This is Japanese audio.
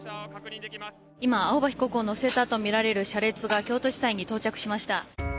今、青葉被告を乗せたと思われる車列が京都地裁に到着しました。